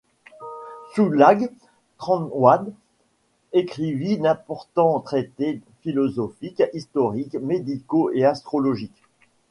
Tsouglag Trengwa écrivit d'importants traités philosophiques, historiques, médicaux et astrologiques.